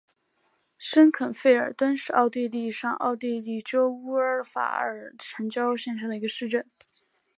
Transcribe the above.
申肯费尔登是奥地利上奥地利州乌尔法尔城郊县的一个市镇。